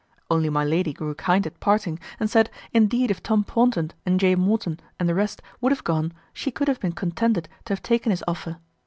Only my Lady grew kind at parting and said, indeed if Tom Paunton and J. Morton and the rest would have gone she could have been contented to have taken his offer.